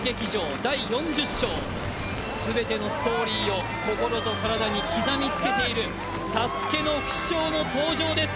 第４０章全てのストーリーを心と体に刻みつけているＳＡＳＵＫＥの不死鳥の登場です。